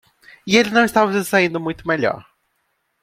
E ele não estava se saindo muito melhor.